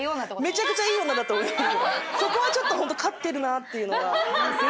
そこはちょっとほんと勝ってるなっていうのが。